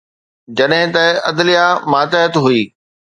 جڏهن ته عدليه ماتحت هئي.